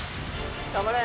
頑張れ。